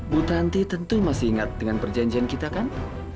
bu tanti tentu masih ingat dengan perjanjian kita kan